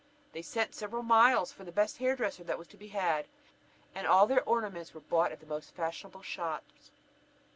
They sent several miles for the best hair dresser that was to be had, and all their ornaments were bought at the most fashionable shops.